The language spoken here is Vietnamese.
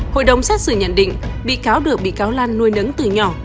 hội đồng xét xử nhận định bị cáo được bị cáo lan nuôi nấng từ nhỏ